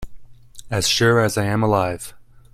As sure as I am alive.